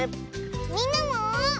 みんなも。